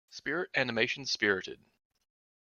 Spirit animation Spirited.